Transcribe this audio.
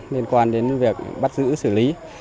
liên quan đến việc bắt giữ xử lý